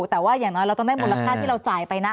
แต่ว่าอย่างน้อยเราต้องได้มูลค่าที่เราจ่ายไปนะ